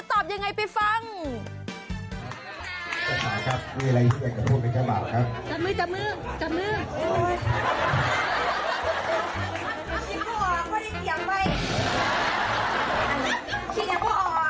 มันต้องแปลงคำว่าแปลงคือหาหัวใหม่